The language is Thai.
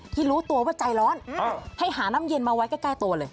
รู้ตัวว่าใจร้อนให้หาน้ำเย็นมาไว้ใกล้ตัวเลย